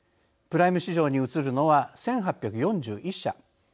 プライム市場に移るのは１８４１社。